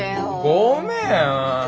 ごめん。